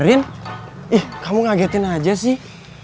irin ih kamu ngagetin aja sih